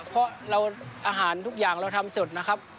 เพราะอาหารทุกอย่างเราทำสดนะครับ